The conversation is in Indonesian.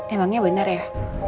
emangnya bener ya